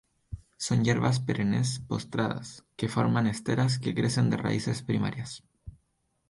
Son hierbas perennes postradas, que forman esteras que crecen de raíces primarias.